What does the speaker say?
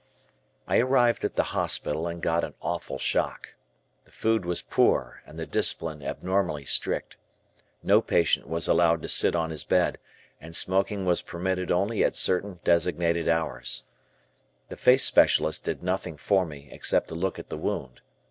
I arrived at the hospital and got an awful shock. The food was poor and the discipline abnormally strict. No patient was allowed to sit on his bed, and smoking was permitted only at certain designated hours. The face specialist did nothing for me except to look at the wound.